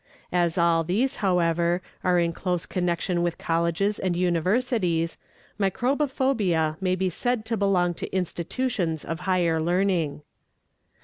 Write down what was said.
As all these, however, are in close connection with colleges and universities, microbophobia may be said to belong to institutions of higher learning.